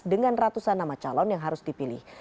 dengan ratusan nama calon yang harus dipilih